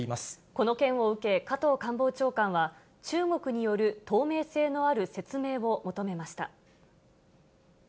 この件を受け、加藤官房長官は、中国による透明性のある説明を求めました。